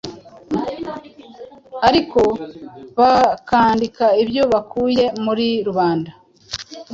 ariko bakandika ibyo bakuye muri Rubanda,